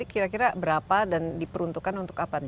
ini kira kira berapa dan diperuntukkan untuk kapan